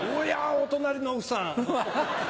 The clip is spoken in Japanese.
お隣の奥さん！